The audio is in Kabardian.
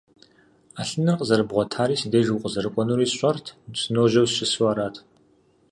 Ӏэлъыныр къызэрыбгъуэтари си деж укъызэрыкӀуэнури сщӀэрти, сыножьэу сыщысу арат.